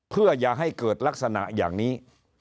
เพื่ออย่าให้เกิดลักษณะอย่างนี้